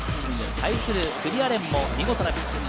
対する九里亜蓮も、見事なピッチング。